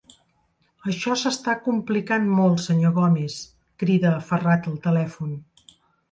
Això s'està complicant molt, senyor Gomis —crida aferrat al telèfon—.